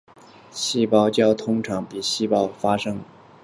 细胞焦亡通常比细胞凋亡发生的更快。